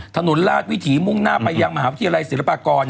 ถนนราชวิถีมุ่งหน้าไปยังมหาวิทยาลัยศิลปากร